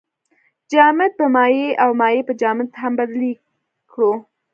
جامد په مایع او مایع په جامد هم بدل کړو.